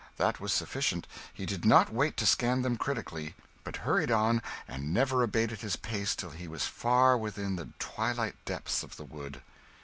That was sufficient; he did not wait to scan them critically, but hurried on, and never abated his pace till he was far within the twilight depths of the wood.